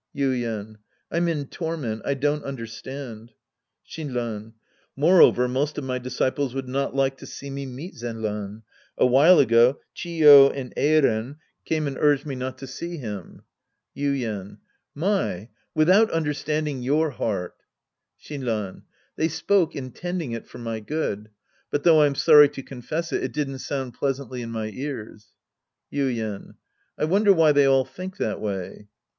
Yuien. I'm in torment. I don't understand. Shinran. Moreover most of my disciples would not like to see me meet Zenran. A wliile ago Cliio and Eiren came and urged me not to see him. 132 The Priest and His Disciples Act III Yuien. My, without understanding your heart ! Shinran. They spoke intending it for my good. But, though I'm sony to confess it, it didn't sound pleasantly in my ears. Yuien. I wonder why they all think that way.